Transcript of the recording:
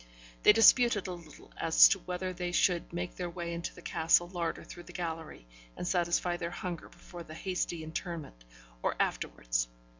They disputed a little as to whether they should make their way into the castle larder through the gallery, and satisfy their hunger before the hasty interment, or afterwards.